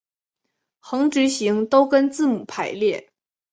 横直行都跟字母排列。